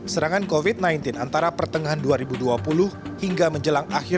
serangan covid sembilan belas antara pertengahan dua ribu dua puluh hingga menjelang akhir dua ribu dua puluh satu